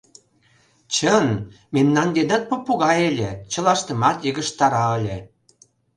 — Чын, мемнан денат попугай ыле, чылаштымат йыгыжтара ыле.